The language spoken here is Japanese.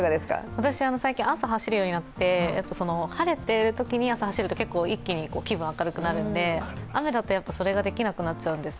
私、最近、朝、走るようになって晴れているときに朝、走ると一気に気分が明るくなるので雨だと、それができなくなっちゃうので。